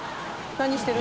何してる？